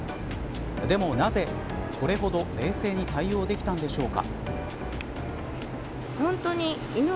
ではなぜ、これほど冷静に対応できたのでしょうか。